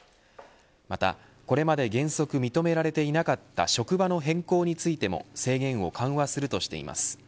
また、これまで原則認められていなかった職場の変更についても制限を緩和するとしています。